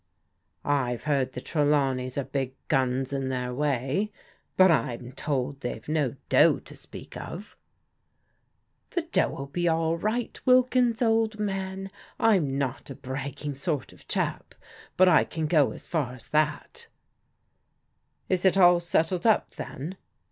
" I've heard the Trelawneys are big guns in their way. But I'm told they've no dough to speak of." The dough'U be all right, Wilkins, old man. I'm not a bragging sort of chap, but I can go as far as thai." 93 94 PRODIGAL DAUGHTERS " Is It all settled up, then